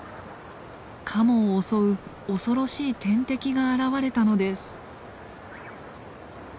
カモを襲う恐ろしい天敵が現れたのです。